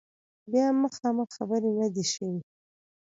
بیا مخامخ خبرې نه دي شوي